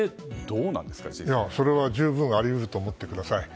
それは十分あり得ると思ってください。